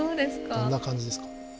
どんな感じですか？